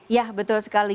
ya betul sekali